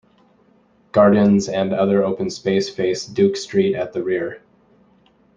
Gardens and other open space face Duke Street at the rear.